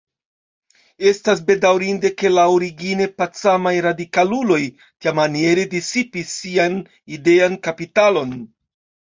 Estas bedaŭrinde, ke la origine pacamaj radikaluloj tiamaniere disipis sian idean kapitalon.